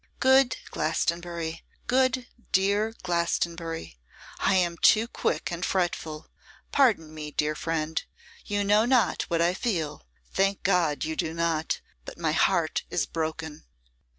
'Good Glastonbury, good, dear Glastonbury, I am too quick and fretful. Pardon me, dear friend. You know not what I feel. Thank God, you do not; but my heart is broken.